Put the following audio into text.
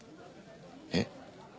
えっ？